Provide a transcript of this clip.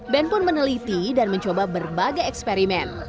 ben pun meneliti dan mencoba berbagai eksperimen